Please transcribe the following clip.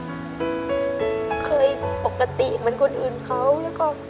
เคยปกติเหมือนคนอื่นเขา